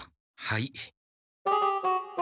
はい。